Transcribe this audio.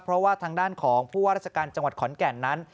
เพราะว่าทางด้านของผู้ว่าราชการจังหวัดขอนแก่นนั้น